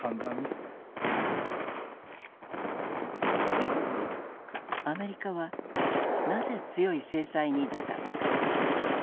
一方アメリカはなぜ強い制裁に出たのか。